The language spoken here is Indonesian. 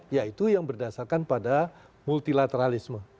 yaitu yang berdasarkan pada multilateralisme